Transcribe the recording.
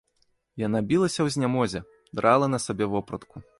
Яна білася ў знямозе, драла на сабе вопратку.